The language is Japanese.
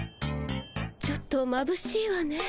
ちょっとまぶしいわね。